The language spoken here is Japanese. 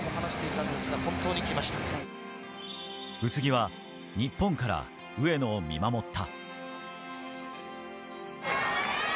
宇津木は日本から上野を見守った。